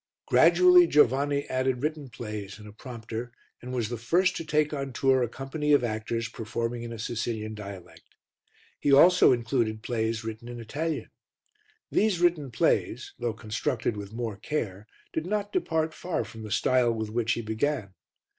Gradually Giovanni added written plays and a prompter, and was the first to take on tour a company of actors performing in a Sicilian dialect. He also included plays written in Italian. These written plays, though constructed with more care, did not depart far from the style with which he began.